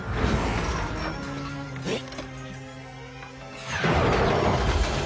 えっ！？